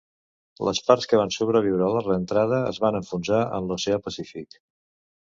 Les parts que van sobreviure a la reentrada es van enfonsar en l'Oceà Pacífic.